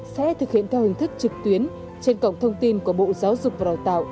sẽ thực hiện theo hình thức trực tuyến trên cổng thông tin của bộ giáo dục và đào tạo